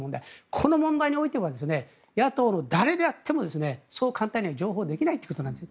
この問題については野党の誰であってもそう簡単には譲歩できないんです。